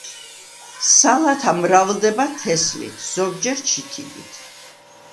სალათა მრავლდება თესლით, ზოგჯერ ჩითილით.